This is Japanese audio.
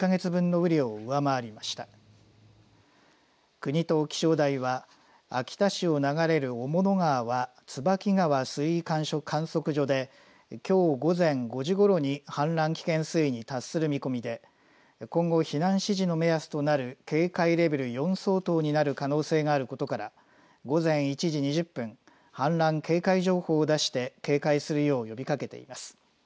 国と気象台は秋田市を流れる雄物川は椿川水位観測所できょう午前５時ごろに氾濫危険水位に達する見込みで今後避難指示の目安となる警戒レベル４相当になる可能性があることから午前１時２０分氾濫警戒情報を出して警戒するよう呼びかけています。